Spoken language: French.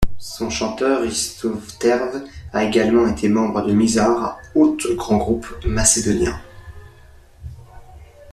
Son chanteur, Risto Vrtev a également été membre de Mizar, autre grand groupe macédonien.